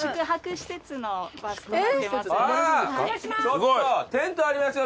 ちょっとテントありますよ